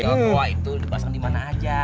iya gua itu dipasang dimana aja